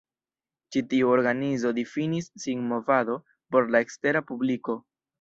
Ĉi tiu organizo difinis sin movado por la ekstera publiko.